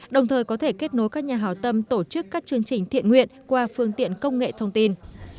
đồng thời có thể kết nối các nhà hào tâm tổ chức các chương trình thiện nguyện qua phương tiện công nghệ thông tin